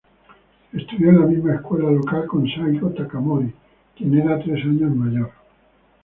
Estudió en la misma escuela local con Saigō Takamori, quien era tres años mayor.